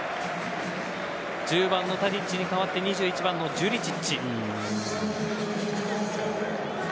１０番のダリッチに代わって２１番のジュリチッチ。